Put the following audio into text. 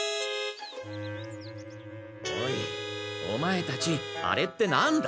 おいオマエたちあれってなんだ？